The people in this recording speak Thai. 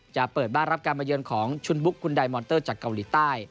จะเปิดบ้านรับการมาเยือนของชุนบุ๊คคุณไดมอนเตอร์จากเกาหลีใต้